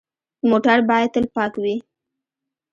موټر باید تل پاک وي.